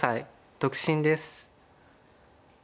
独身です。